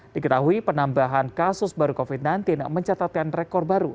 diketahui penambahan kasus baru covid sembilan belas mencatatkan rekor baru